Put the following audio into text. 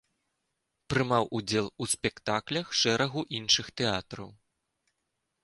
Прымаў удзел у спектаклях шэрагу іншых тэатраў.